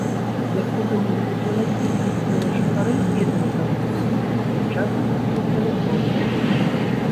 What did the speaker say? Як потым высветлілася, мясцовыя жыхары ведалі пра гэта месца, дзе часам адшуквалі розныя рэчы.